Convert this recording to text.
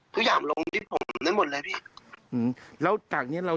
เพราะพี่ฟังแล้วถ้าฟองเรามา